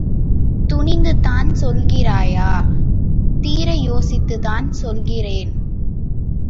துணிந்துதான் சொல்கிறாயா? தீர யோசித்துத்தான் சொல்கிறேன்.